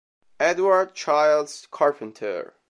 Edward Childs Carpenter